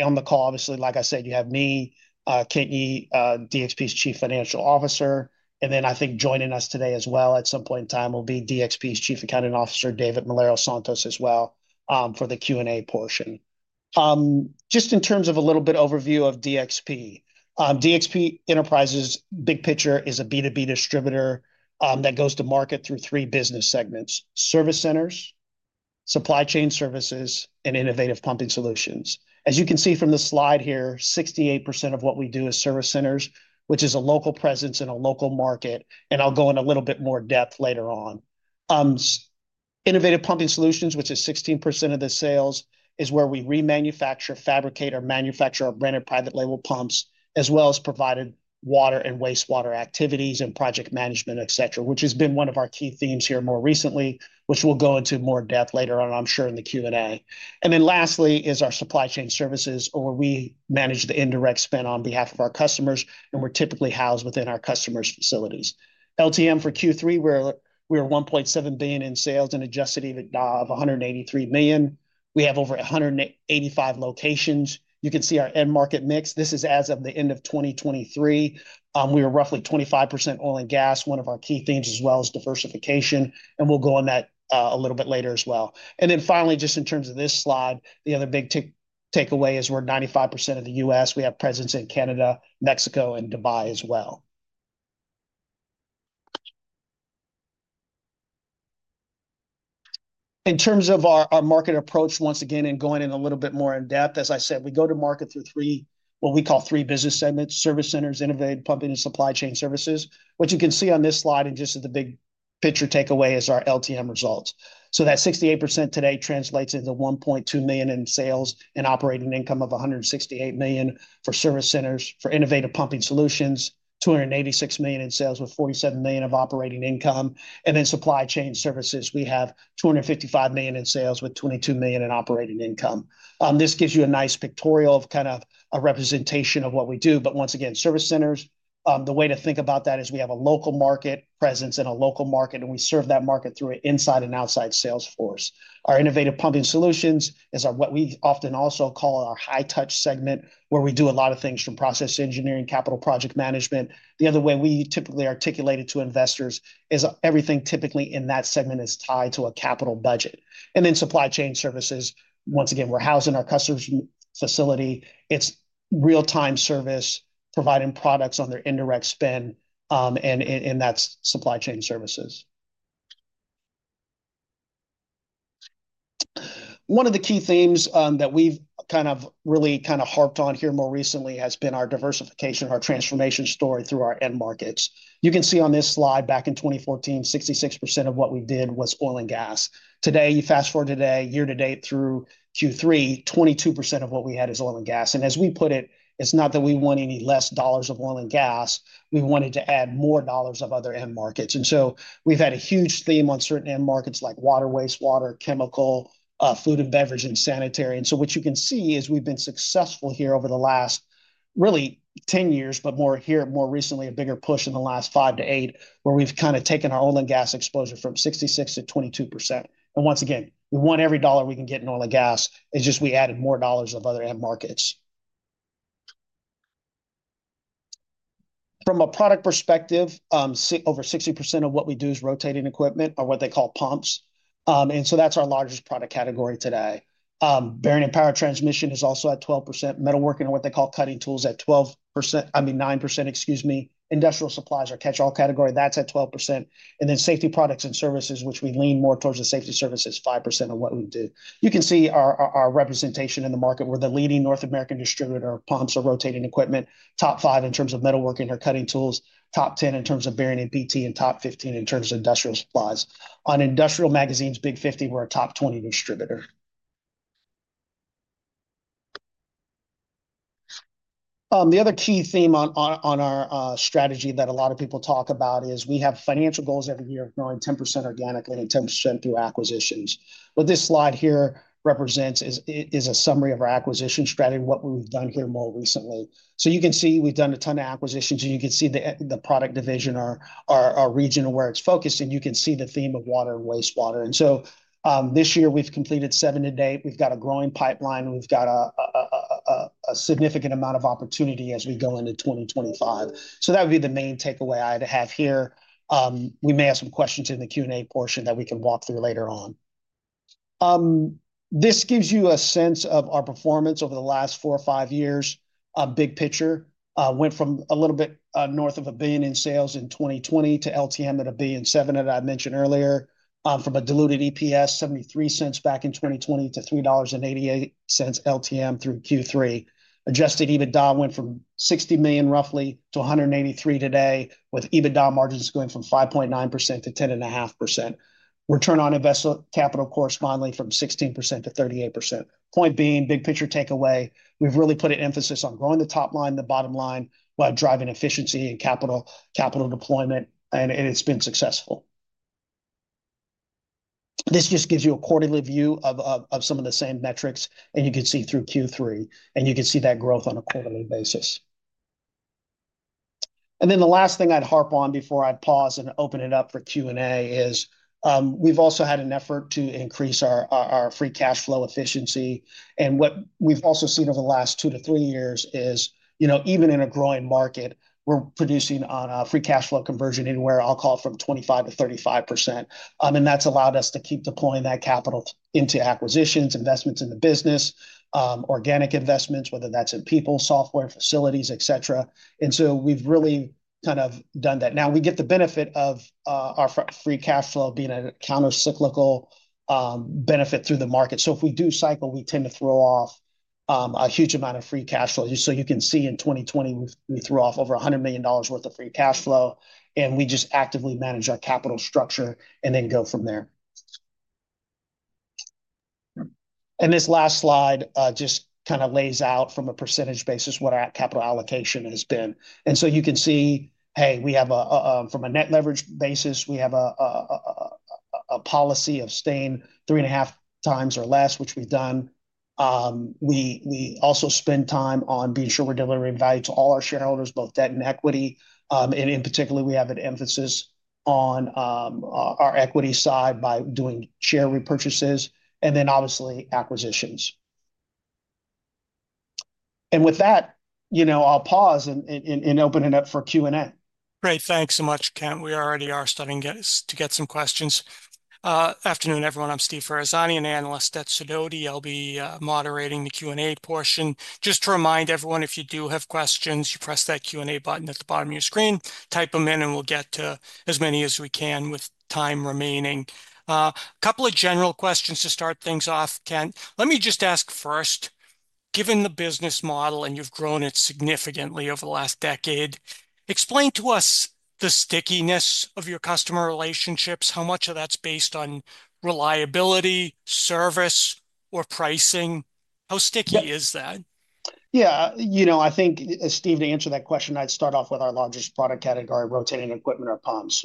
On the call, obviously, like I said, you have me, Kent Yee, DXP's Chief Financial Officer. And then I think joining us today as well at some point in time will be DXP's Chief Accounting Officer, David Molero Santos, as well for the Q&A portion. Just in terms of a little bit overview of DXP, DXP Enterprises, big picture, is a B2B distributor that goes to market through three business segments: service centers, supply chain services, and innovative pumping solutions. As you can see from the slide here, 68% of what we do is service centers, which is a local presence in a local market. And I'll go in a little bit more depth later on. Innovative Pumping Solutions, which is 16% of the sales, is where we remanufacture, fabricate, or manufacture our branded private label pumps, as well as provide water and wastewater activities and project management, etc., which has been one of our key themes here more recently, which we'll go into more depth later on, I'm sure, in the Q&A. And then lastly is our Supply Chain Services, or we manage the indirect spend on behalf of our customers, and we're typically housed within our customers' facilities. LTM for Q3, we're $1.7 billion in sales and Adjusted EBITDA of $183 million. We have over 185 locations. You can see our end market mix. This is as of the end of 2023. We are roughly 25% oil and gas, one of our key themes, as well as diversification. And we'll go on that a little bit later as well. And then finally, just in terms of this slide, the other big takeaway is we're 95% of the U.S. We have presence in Canada, Mexico, and Dubai as well. In terms of our market approach, once again, and going in a little bit more in depth, as I said, we go to market through what we call three business segments: Service Centers, Innovative Pumping Solutions, and Supply Chain Services. What you can see on this slide, and just as the big picture takeaway, is our LTM results. So that 68% today translates into $1.2 million in sales and operating income of $168 million for Service Centers for Innovative Pumping Solutions, $286 million in sales with $47 million of operating income. And then Supply Chain Services, we have $255 million in sales with $22 million of operating income. This gives you a nice pictorial of kind of a representation of what we do. But once again, Service Centers, the way to think about that is we have a local market presence and a local market, and we serve that market through an inside and outside sales force. Our Innovative Pumping Solutions is what we often also call our high-touch segment, where we do a lot of things from process engineering, capital project management. The other way we typically articulate it to investors is everything typically in that segment is tied to a capital budget. And then Supply Chain Services, once again, we're housing our customers' facility. It's real-time service, providing products on their indirect spend, and that's Supply Chain Services. One of the key themes that we've kind of really kind of harped on here more recently has been our diversification, our transformation story through our end markets. You can see on this slide back in 2014, 66% of what we did was oil and gas. Today, you fast forward today, year to date through Q3, 22% of what we had is oil and gas. And as we put it, it's not that we want any less dollars of oil and gas. We wanted to add more dollars of other end markets. And so we've had a huge theme on certain end markets like water, wastewater, chemical, food and beverage, and sanitary. And so what you can see is we've been successful here over the last really 10 years, but more here more recently, a bigger push in the last five to eight, where we've kind of taken our oil and gas exposure from 66% to 22%. And once again, we want every dollar we can get in oil and gas. It's just we added more dollars of other end markets. From a product perspective, over 60% of what we do is rotating equipment or what they call pumps. And so that's our largest product category today. Bearing and power transmission is also at 12%. Metalworking or what they call cutting tools at 12%. I mean, 9%, excuse me. Industrial supplies or catch-all category, that's at 12%. And then safety products and services, which we lean more towards the safety services, 5% of what we do. You can see our representation in the market. We're the leading North American distributor of pumps or rotating equipment, top five in terms of metalworking or cutting tools, top 10 in terms of Bearing and PT, and top 15 in terms of industrial supplies. On industrial magazines, Big 50, we're a top 20 distributor. The other key theme on our strategy that a lot of people talk about is we have financial goals every year of growing 10% organically and 10% through acquisitions. What this slide here represents is a summary of our acquisition strategy, what we've done here more recently. So you can see we've done a ton of acquisitions, and you can see the product division or our region where it's focused, and you can see the theme of water and wastewater. And so this year, we've completed seven to eight. We've got a growing pipeline. We've got a significant amount of opportunity as we go into 2025. So that would be the main takeaway I'd have here. We may have some questions in the Q&A portion that we can walk through later on. This gives you a sense of our performance over the last four or five years. Big picture went from a little bit north of $1 billion in sales in 2020 to LTM at $1.7 billion that I mentioned earlier, from a diluted EPS, $0.73 back in 2020 to $3.88 LTM through Q3. Adjusted EBITDA went from $60 million roughly to $183 million today, with EBITDA margins going from 5.9% to 10.5%. Return on investment capital correspondingly from 16% to 38%. Point being, big picture takeaway, we've really put an emphasis on growing the top line, the bottom line while driving efficiency and capital deployment, and it's been successful. This just gives you a quarterly view of some of the same metrics, and you can see through Q3, and you can see that growth on a quarterly basis. Then the last thing I'd harp on before I pause and open it up for Q&A is we've also had an effort to increase our free cash flow efficiency. What we've also seen over the last two to three years is even in a growing market, we're producing on free cash flow conversion anywhere. I'll call it from 25%-35%. That's allowed us to keep deploying that capital into acquisitions, investments in the business, organic investments, whether that's in people, software, facilities, etc. We've really kind of done that. Now, we get the benefit of our free cash flow being a countercyclical benefit through the market. If we do cycle, we tend to throw off a huge amount of free cash flow. So you can see in 2020, we threw off over $100 million worth of free cash flow, and we just actively manage our capital structure and then go from there. And this last slide just kind of lays out from a percentage basis what our capital allocation has been. And so you can see, hey, from a net leverage basis, we have a policy of staying 3.5x or less, which we've done. We also spend time on being sure we're delivering value to all our shareholders, both debt and equity. And in particular, we have an emphasis on our equity side by doing share repurchases and then obviously acquisitions. And with that, I'll pause and open it up for Q&A. Great. Thanks so much, Kent Yee. We already are starting to get some questions. Afternoon, everyone. I'm Steve Ferazani, an analyst at SIDOTI & Company. I'll be moderating the Q&A portion. Just to remind everyone, if you do have questions, you press that Q&A button at the bottom of your screen, type them in, and we'll get to as many as we can with time remaining. A couple of general questions to start things off, Kent Yee. Let me just ask first, given the business model and you've grown it significantly over the last decade, explain to us the stickiness of your customer relationships. How much of that's based on reliability, service, or pricing? How sticky is that? Yeah. You know, I think, Steve Ferazani, to answer that question, I'd start off with our largest product category, rotating equipment or pumps.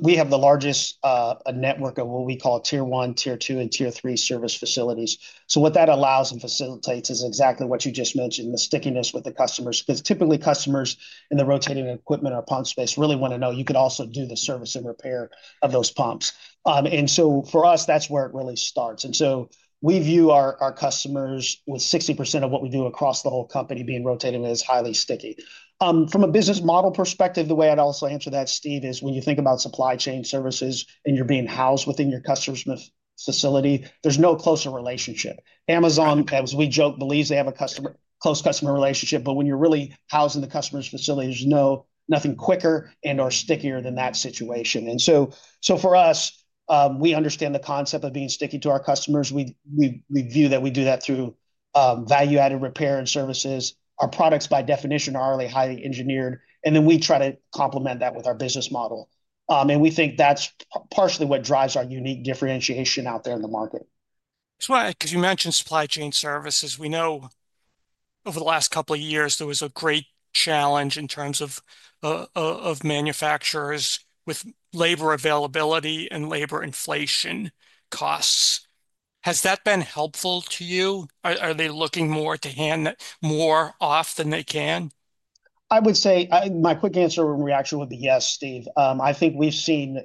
We have the largest network of what we call tier I, tier II, and tier III service facilities. So what that allows and facilitates is exactly what you just mentioned, the stickiness with the customers. Because typically, customers in the rotating equipment or pump space really want to know you could also do the service and repair of those pumps. And so for us, that's where it really starts. And so we view our customers with 60% of what we do across the whole company being rotating is highly sticky. From a business model perspective, the way I'd also answer that, Steve Ferazani, is when you think about supply chain services and you're being housed within your customer's facility, there's no closer relationship. Amazon, as we joke, believes they have a close customer relationship, but when you're really housing the customer's facility, there's nothing quicker and/or stickier than that situation, and so for us, we understand the concept of being sticky to our customers. We view that we do that through value-added repair and services. Our products, by definition, are really highly engineered, and then we try to complement that with our business model, and we think that's partially what drives our unique differentiation out there in the market. Because you mentioned supply chain services, we know over the last couple of years, there was a great challenge in terms of manufacturers with labor availability and labor inflation costs. Has that been helpful to you? Are they looking more to hand more off than they can? I would say my quick answer and reaction would be yes, Steve Ferazani. I think we've seen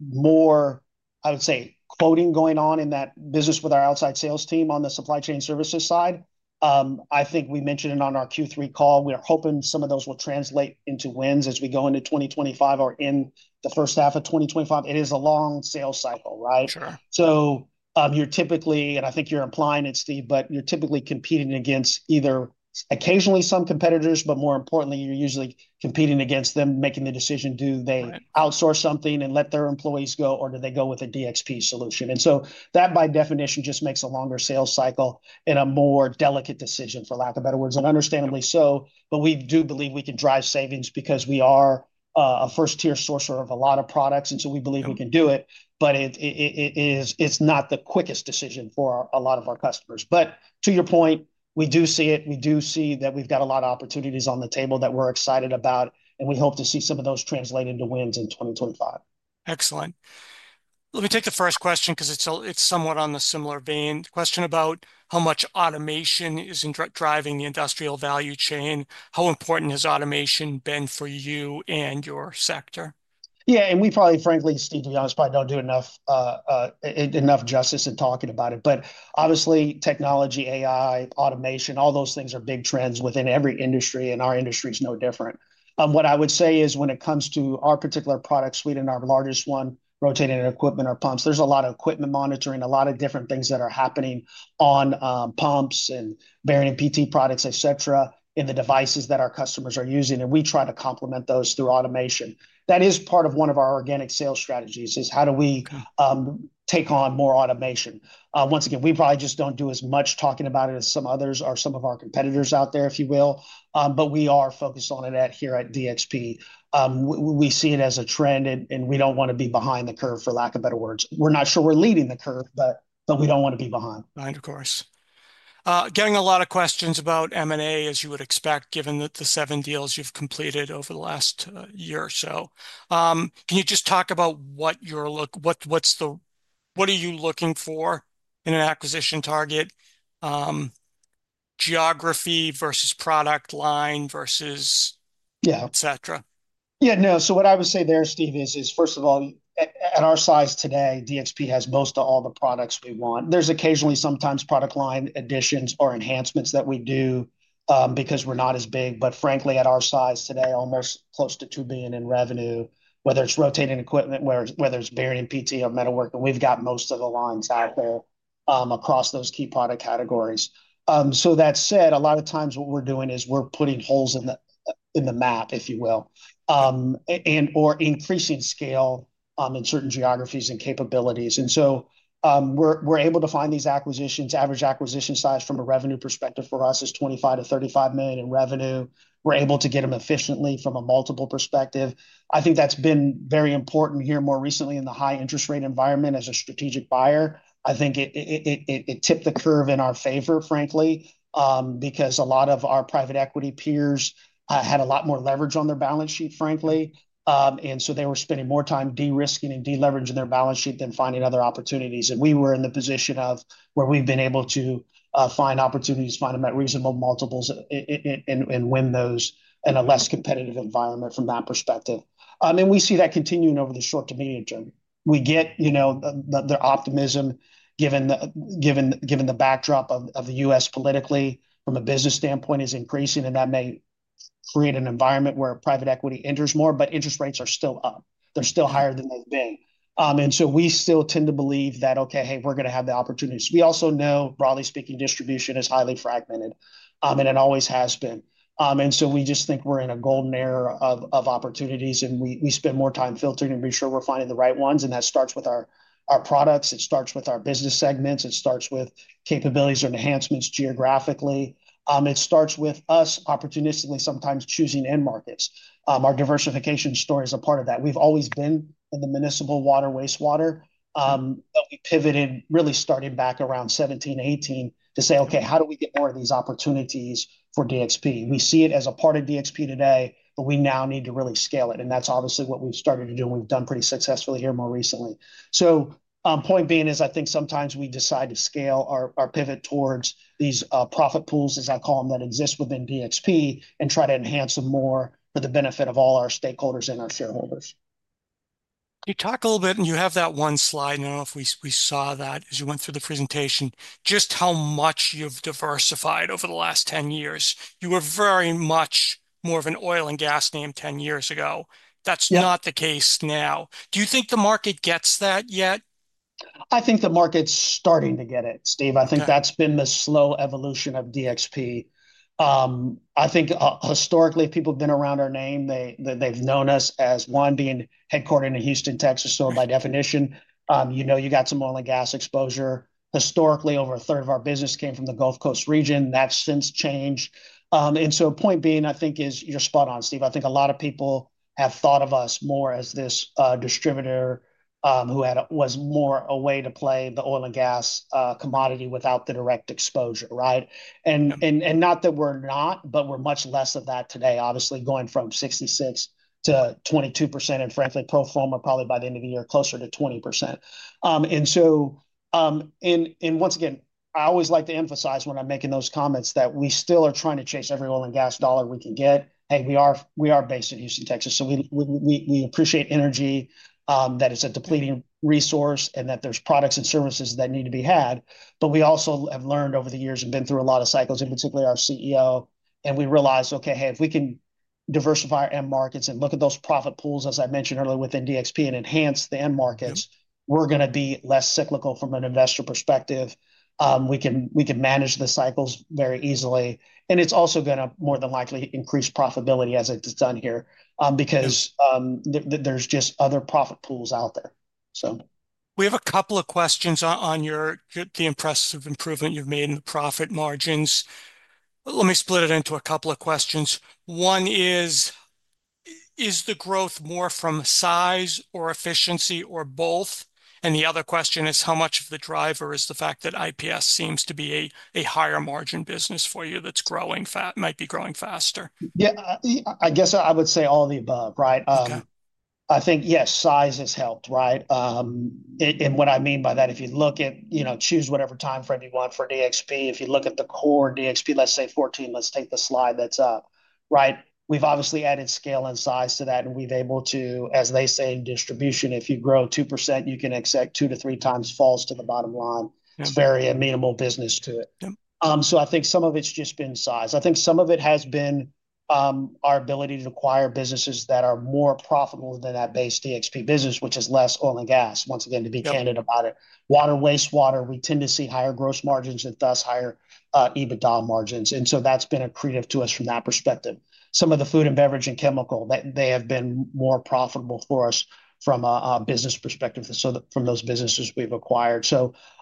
more, I would say, quoting going on in that business with our outside sales team on the supply chain services side. I think we mentioned it on our Q3 call. We are hoping some of those will translate into wins as we go into 2025 or in the first-half of 2025. It is a long sales cycle, right? So you're typically, and I think you're implying it, Steve Ferazani, but you're typically competing against either occasionally some competitors, but more importantly, you're usually competing against them making the decision, do they outsource something and let their employees go, or do they go with a DXP solution? And so that, by definition, just makes a longer sales cycle and a more delicate decision, for lack of better words, and understandably so. But we do believe we can drive savings because we are a first-tier sourcer of a lot of products, and so we believe we can do it, but it's not the quickest decision for a lot of our customers. But to your point, we do see it. We do see that we've got a lot of opportunities on the table that we're excited about, and we hope to see some of those translate into wins in 2025. Excellent. Let me take the first question because it's somewhat on the similar vein. The question about how much automation is driving the industrial value chain. How important has automation been for you and your sector? Yeah, and we probably, frankly, Steve Ferazani, to be honest, probably don't do enough justice in talking about it. But obviously, technology, AI, automation, all those things are big trends within every industry, and our industry is no different. What I would say is when it comes to our particular product suite and our largest one, rotating equipment or pumps, there's a lot of equipment monitoring, a lot of different things that are happening on pumps and Bearing and PT products, etc., in the devices that our customers are using. And we try to complement those through automation. That is part of one of our organic sales strategies: how do we take on more automation. Once again, we probably just don't do as much talking about it as some others or some of our competitors out there, if you will, but we are focused on it here at DXP. We see it as a trend, and we don't want to be behind the curve, for lack of better words. We're not sure we're leading the curve, but we don't want to be behind. Of course. Getting a lot of questions about M&A, as you would expect, given the seven deals you've completed over the last year or so. Can you just talk about what you're looking for in an acquisition target, geography versus product line versus etc.? Yeah. No, so what I would say there, Steve Ferazani, is, first of all, at our size today, DXP has most of all the products we want. There's occasionally, sometimes, product line additions or enhancements that we do because we're not as big. But frankly, at our size today, almost close to $2 billion in revenue, whether it's rotating equipment, whether it's bearing and PT or metalworking, we've got most of the lines out there across those key product categories. So that said, a lot of times what we're doing is we're putting holes in the map, if you will, and/or increasing scale in certain geographies and capabilities. And so we're able to find these acquisitions. Average acquisition size from a revenue perspective for us is $25 million-$35 million in revenue. We're able to get them efficiently from a multiple perspective. I think that's been very important here more recently in the high interest rate environment as a strategic buyer. I think it tipped the curve in our favor, frankly, because a lot of our private equity peers had a lot more leverage on their balance sheet, frankly. And so they were spending more time de-risking and deleveraging their balance sheet than finding other opportunities. And we were in the position of where we've been able to find opportunities, find them at reasonable multiples, and win those in a less competitive environment from that perspective. And we see that continuing over the short to medium-term. We get the optimism given the backdrop of the U.S. politically from a business standpoint is increasing, and that may create an environment where private equity enters more, but interest rates are still up. They're still higher than they've been. And so we still tend to believe that, okay, hey, we're going to have the opportunities. We also know, broadly speaking, distribution is highly fragmented, and it always has been. And so we just think we're in a golden era of opportunities, and we spend more time filtering to be sure we're finding the right ones. And that starts with our products. It starts with our business segments. It starts with capabilities or enhancements geographically. It starts with us opportunistically sometimes choosing end markets. Our diversification story is a part of that. We've always been in the municipal water, wastewater. We pivoted, really started back around 2017, 2018 to say, okay, how do we get more of these opportunities for DXP? We see it as a part of DXP today, but we now need to really scale it. And that's obviously what we've started to do, and we've done pretty successfully here more recently. So point being is I think sometimes we decide to scale our pivot towards these profit pools, as I call them, that exist within DXP and try to enhance them more for the benefit of all our stakeholders and our shareholders. You talk a little bit, and you have that one slide. I don't know if we saw that as you went through the presentation, just how much you've diversified over the last 10 years. You were very much more of an oil and gas name 10 years ago. That's not the case now. Do you think the market gets that yet? I think the market's starting to get it, Steve Ferazani. I think that's been the slow evolution of DXP. I think historically, people have been around our name. They've known us as one being headquartered in Houston, Texas. So by definition, you know you got some oil and gas exposure. Historically, over a third of our business came from the Gulf Coast region. That's since changed. And so point being, I think, is you're spot on, Steve Ferazani. I think a lot of people have thought of us more as this distributor who was more a way to play the oil and gas commodity without the direct exposure, right? And not that we're not, but we're much less of that today, obviously going from 66%-22% and frankly pro forma probably by the end of the year closer to 20%. And so once again, I always like to emphasize when I'm making those comments that we still are trying to chase every oil and gas dollar we can get. Hey, we are based in Houston, Texas. So we appreciate energy that is a depleting resource and that there's products and services that need to be had. But we also have learned over the years and been through a lot of cycles, in particular our CEO. And we realized, okay, hey, if we can diversify our end markets and look at those profit pools, as I mentioned earlier within DXP and enhance the end markets, we're going to be less cyclical from an investor perspective. We can manage the cycles very easily. And it's also going to more than likely increase profitability as it's done here because there's just other profit pools out there. We have a couple of questions on the impressive improvement you've made in the profit margins. Let me split it into a couple of questions. One is, is the growth more from size or efficiency or both? And the other question is, how much of the driver is the fact that IPS seems to be a higher margin business for you that might be growing faster? Yeah, I guess I would say all the above, right? I think, yes, size has helped, right? And what I mean by that, if you look at, choose whatever timeframe you want for DXP, if you look at the core DXP, let's say 2014, let's take the slide that's up, right? We've obviously added scale and size to that, and we've been able to, as they say in distribution, if you grow 2%, you can accept two to three times falls to the bottom line. It's very amenable business to it. So I think some of it's just been size. I think some of it has been our ability to acquire businesses that are more profitable than that base DXP business, which is less oil and gas, once again, to be candid about it. Water, wastewater, we tend to see higher gross margins and thus higher EBITDA margins. That's been accretive to us from that perspective. Some of the food and beverage and chemical, they have been more profitable for us from a business perspective from those businesses we've acquired.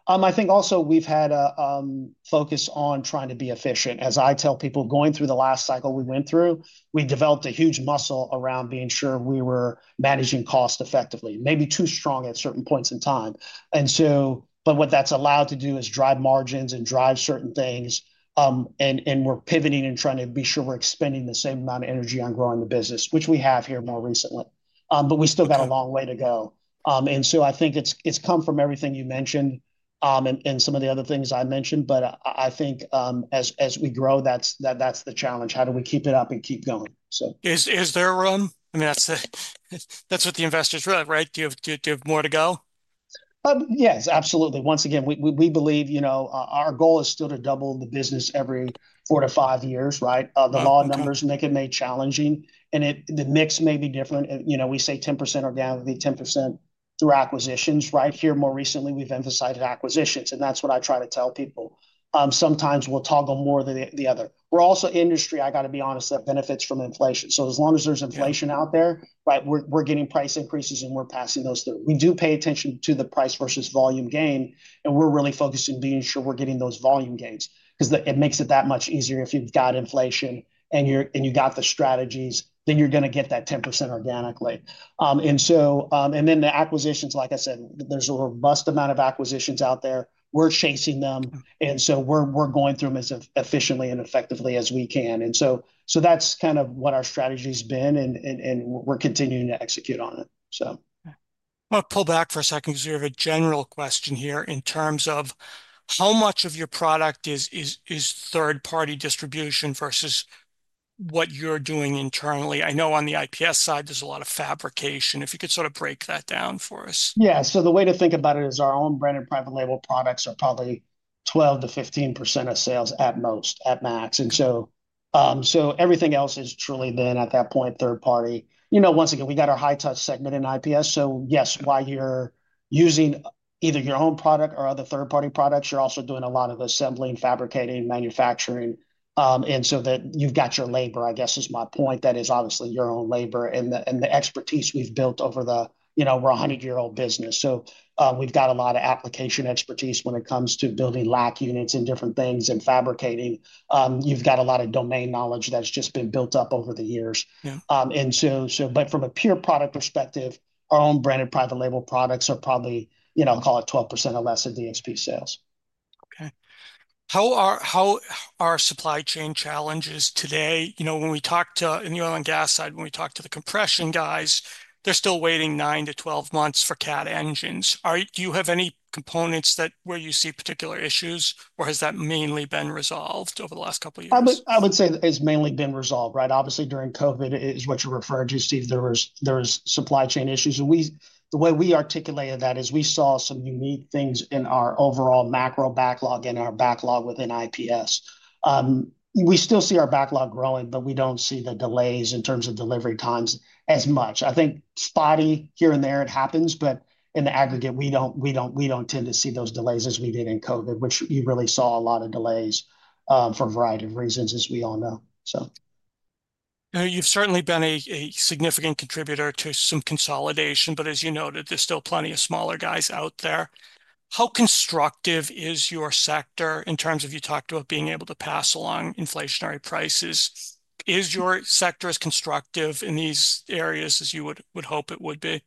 I think also we've had a focus on trying to be efficient. As I tell people, going through the last cycle we went through, we developed a huge muscle around being sure we were managing cost effectively, maybe too strong at certain points in time. What that's allowed to do is drive margins and drive certain things. We're pivoting and trying to be sure we're expending the same amount of energy on growing the business, which we have here more recently. We still got a long way to go. I think it's come from everything you mentioned and some of the other things I mentioned. But I think as we grow, that's the challenge. How do we keep it up and keep going? Is there room? I mean, that's what the investors wrote, right? Do you have more to go? Yes, absolutely. Once again, we believe our goal is still to double the business every four to five years, right? The low numbers make it more challenging, and the mix may be different. We say 10% organically, 10% through acquisitions, right? Here more recently, we've emphasized acquisitions, and that's what I try to tell people. Sometimes we'll toggle more than the other. We're also an industry, I got to be honest, that benefits from inflation. So as long as there's inflation out there, we're getting price increases and we're passing those through. We do pay attention to the price versus volume gain, and we're really focused on being sure we're getting those volume gains because it makes it that much easier if you've got inflation and you got the strategies, then you're going to get that 10% organically. And then the acquisitions, like I said, there's a robust amount of acquisitions out there. We're chasing them, and so we're going through them as efficiently and effectively as we can. And so that's kind of what our strategy has been, and we're continuing to execute on it. I'll pull back for a second because we have a general question here in terms of how much of your product is third-party distribution versus what you're doing internally. I know on the IPS side, there's a lot of fabrication. If you could sort of break that down for us. Yeah. So the way to think about it is our own branded private label products are probably 12%-15% of sales at most, at max. And so everything else has truly been at that point third-party. Once again, we got our high-touch segment in IPS. So yes, while you're using either your own product or other third-party products, you're also doing a lot of assembling, fabricating, manufacturing. And so that you've got your labor, I guess is my point, that is obviously your own labor and the expertise we've built over the, we're a 100-year-old business. So we've got a lot of application expertise when it comes to building LACT units and different things and fabricating. You've got a lot of domain knowledge that's just been built up over the years. From a pure product perspective, our own branded private label products are probably, I'll call it, 12% or less of DXP sales. Okay. How are supply chain challenges today? In the oil and gas side, when we talk to the compression guys, they're still waitin 9 months-12 months for CAT engines. Do you have any components where you see particular issues, or has that mainly been resolved over the last couple of years? I would say it's mainly been resolved, right? Obviously, during COVID, is what you're referring to, Steve Ferazani. There were supply chain issues. The way we articulated that is we saw some unique things in our overall macro backlog and our backlog within IPS. We still see our backlog growing, but we don't see the delays in terms of delivery times as much. I think spotty here and there it happens, but in the aggregate, we don't tend to see those delays as we did in COVID, which you really saw a lot of delays for a variety of reasons, as we all know, so. You've certainly been a significant contributor to some consolidation, but as you noted, there's still plenty of smaller guys out there. How constructive is your sector in terms of you talked about being able to pass along inflationary prices? Is your sector as constructive in these areas as you would hope it would be?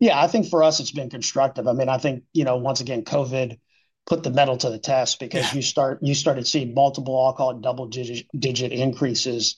Yeah, I think for us, it's been constructive. I mean, I think, once again, COVID put the mettle to the test because you started seeing multiple, I'll call it double-digit increases,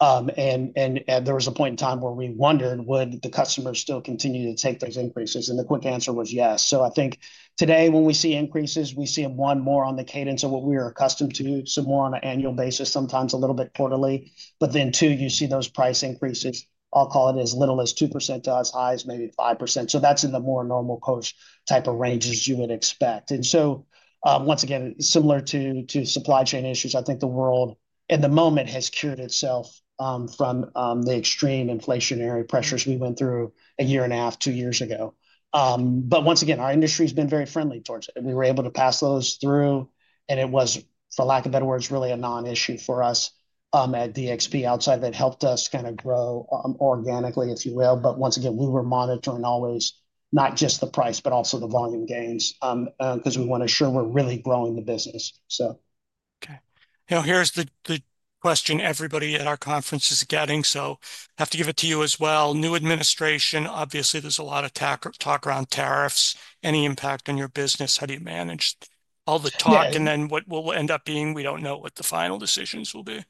and there was a point in time where we wondered, would the customers still continue to take those increases? The quick answer was yes, so I think today when we see increases, we see them more on the cadence of what we are accustomed to, some more on an annual basis, sometimes a little bit quarterly, but then, too, you see those price increases, I'll call it as little as 2% to as high as maybe 5%. That's in the more normal such type of ranges you would expect. And so once again, similar to supply chain issues, I think the world in the moment has cured itself from the extreme inflationary pressures we went through a year and a half, two years ago. But once again, our industry has been very friendly towards it. We were able to pass those through, and it was, for lack of better words, really a non-issue for us at DXP. Outside that helped us kind of grow organically, if you will. But once again, we were monitoring always not just the price, but also the volume gains because we want to ensure we're really growing the business, so. Okay. Now here's the question everybody at our conference is getting, so I have to give it to you as well. New administration, obviously there's a lot of talk around tariffs. Any impact on your business? How do you manage all the talk? And then what will end up being? We don't know what the final decisions will be.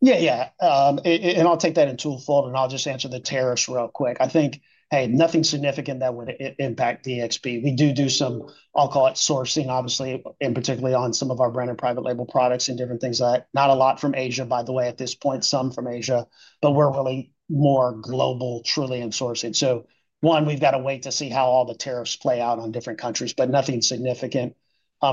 Yeah, yeah. And I'll take that twofold, and I'll just answer the tariffs real quick. I think, hey, nothing significant that would impact DXP. We do do some, I'll call it sourcing, obviously, and particularly on some of our branded private label products and different things like that. Not a lot from Asia, by the way, at this point, some from Asia, but we're really more global, truly in sourcing. So one, we've got to wait to see how all the tariffs play out on different countries, but nothing significant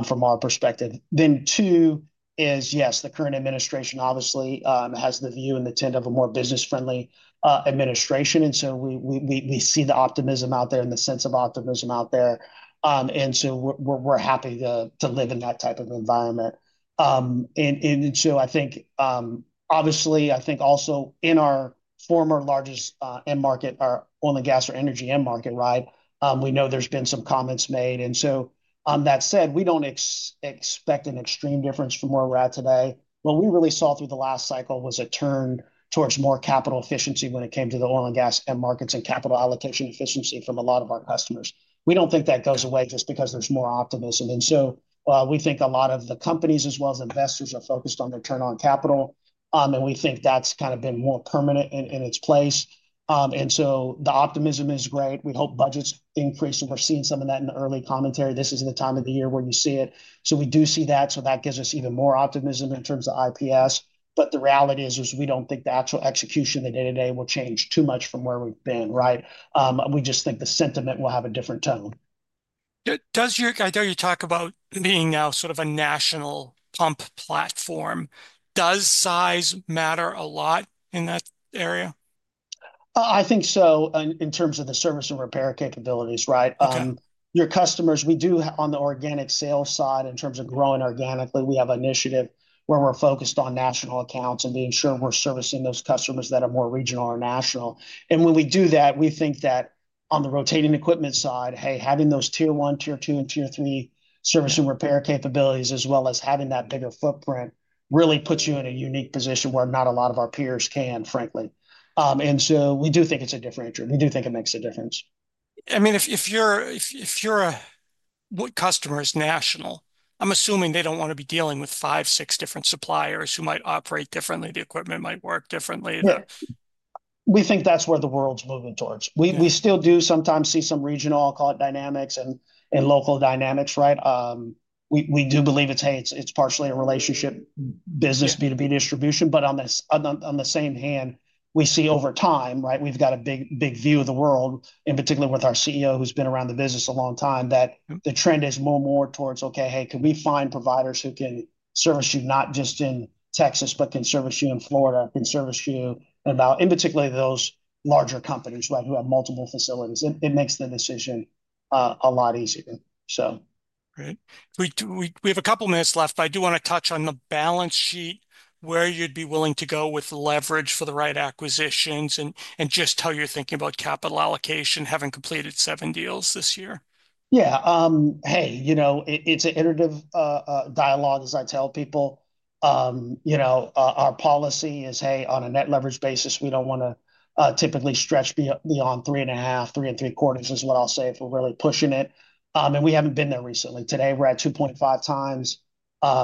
from our perspective. Then two is, yes, the current administration obviously has the view and the tenet of a more business-friendly administration. And so we see the optimism out there and the sense of optimism out there. And so we're happy to live in that type of environment. I think, obviously, I think also in our former largest end market, our oil and gas or energy end market, right? We know there's been some comments made. That said, we don't expect an extreme difference from where we're at today. What we really saw through the last cycle was a turn towards more capital efficiency when it came to the oil and gas end markets and capital allocation efficiency from a lot of our customers. We don't think that goes away just because there's more optimism. We think a lot of the companies as well as investors are focused on their return on capital. We think that's kind of been more permanent in its place. The optimism is great. We hope budgets increase. We're seeing some of that in the early commentary. This is the time of the year where you see it. So we do see that. So that gives us even more optimism in terms of IPS. But the reality is we don't think the actual execution of the day-to-day will change too much from where we've been, right? We just think the sentiment will have a different tone. I know you talk about being now sort of a national pump platform. Does size matter a lot in that area? I think so in terms of the service and repair capabilities, right? Your customers, we do on the organic sales side in terms of growing organically. We have an initiative where we're focused on national accounts and being sure we're servicing those customers that are more regional or national. And when we do that, we think that on the rotating equipment side, hey, having those tier one, tier two, and tier three service and repair capabilities as well as having that bigger footprint really puts you in a unique position where not a lot of our peers can, frankly. And so we do think it's a differential. We do think it makes a difference. I mean, if you're a customer is national, I'm assuming they don't want to be dealing with five, six different suppliers who might operate differently. The equipment might work differently. We think that's where the world's moving towards. We still do sometimes see some regional, I'll call it dynamics and local dynamics, right? We do believe it's partially a relationship business B2B distribution. But on the other hand, we see over time, right? We've got a big view of the world, in particular with our CEO who's been around the business a long time, that the trend is more and more towards, okay, hey, can we find providers who can service you not just in Texas, but can service you in Florida, can service you, in particular, those larger companies who have multiple facilities. It makes the decision a lot easier, so. Great. We have a couple of minutes left, but I do want to touch on the balance sheet, where you'd be willing to go with leverage for the right acquisitions and just how you're thinking about capital allocation, having completed seven deals this year. Yeah. Hey, it's an iterative dialogue as I tell people. Our policy is, hey, on a net leverage basis, we don't want to typically stretch beyond 3.5, 3.4 is what I'll say if we're really pushing it. And we haven't been there recently. Today, we're at 2.5x.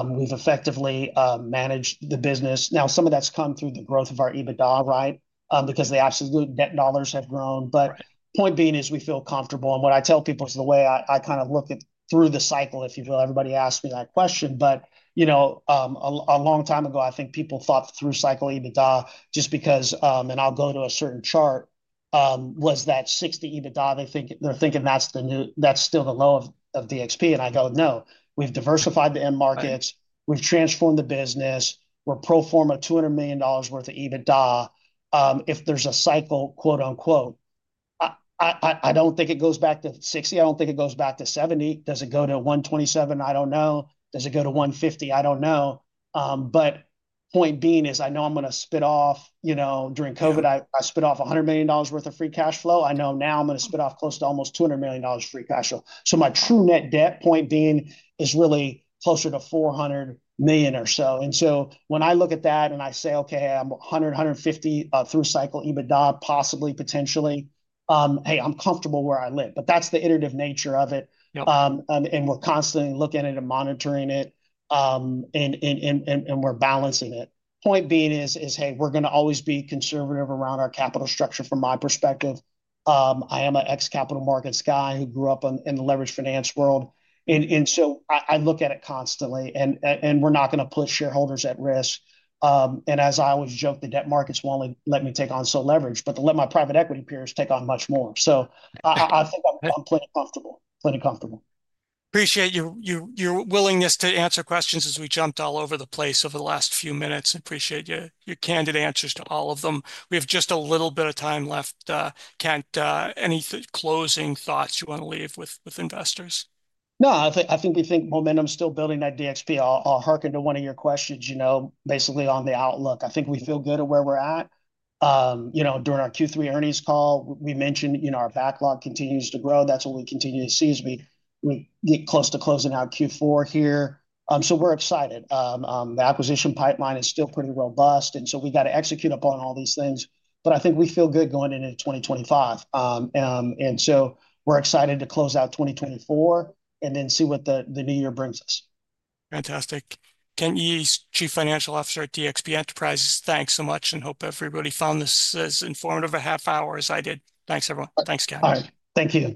We've effectively managed the business. Now, some of that's come through the growth of our EBITDA, right? Because the absolute debt dollars have grown. But point being is we feel comfortable. And what I tell people is the way I kind of look at through the cycle, if you will. Everybody asked me that question, but a long time ago, I think people thought through cycle EBITDA just because, and I'll go to a certain char`t, was that $60 million EBITDA. They're thinking that's still the low of DXP. And I go, no, we've diversified the end markets. We've transformed the business. We're pro forma $200 million worth of EBITDA. If there's a cycle, quote unquote, I don't think it goes back to $60 million. I don't think it goes back to $70 million. Does it go to $127 million? I don't know. Does it go to $150 million? I don't know. But point being is I know I'm going to spit off during COVID, I spit off $100 million worth of free cash flow. I know now I'm going to spit off close to almost $200 million free cash flow. So my true net debt, point being, is really closer to $400 million or so. And so when I look at that and I say, okay, I'm $100-$150 through cycle EBITDA, possibly, potentially, hey, I'm comfortable where I live. But that's the iterative nature of it. We're constantly looking at it and monitoring it, and we're balancing it. Point being is, hey, we're going to always be conservative around our capital structure from my perspective. I am an ex-capital markets guy who grew up in the leveraged finance world. So I look at it constantly, and we're not going to put shareholders at risk. As I always joke, the debt markets won't let me take on so much leverage, but let my private equity peers take on much more. I think I'm plenty comfortable. Appreciate your willingness to answer questions as we jumped all over the place over the last few minutes. Appreciate your candid answers to all of them. We have just a little bit of time left. Kent Yee, any closing thoughts you want to leave with investors? No, I think we think momentum is still building at DXP. I'll harken to one of your questions, basically on the outlook. I think we feel good at where we're at. During our Q3 earnings call, we mentioned our backlog continues to grow. That's what we continue to see as we get close to closing out Q4 here. So we're excited. The acquisition pipeline is still pretty robust, and so we got to execute upon all these things. But I think we feel good going into 2025. And so we're excited to close out 2024 and then see what the new year brings us. Fantastic. Kent Yee, Chief Financial Officer at DXP Enterprises. Thanks so much, and hope everybody found this as informative a half hour as I did. Thanks, everyone. Thanks, Kent Yee. Thank you.